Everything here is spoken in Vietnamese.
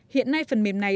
hiện nay phần mềm này